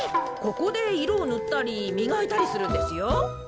ここでいろをぬったりみがいたりするんですよ。